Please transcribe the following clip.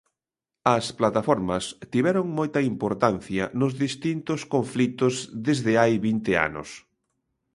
As plataformas tiveron moita importancia nos distintos conflitos desde hai vinte anos.